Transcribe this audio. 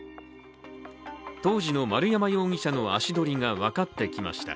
当時の丸山容疑者の足取りが分かってきました。